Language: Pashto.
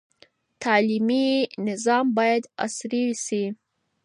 تعلیمي نظام باید عصري سي.